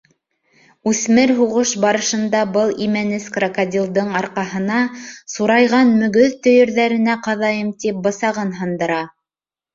Үҫмер һуғыш барышында был имәнес крокодилдың арҡаһына — сурайған «мөгөҙ» төйөрҙәренә ҡаҙайым тип бысағын һындыра.